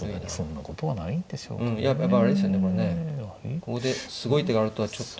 ここですごい手があるとはちょっと。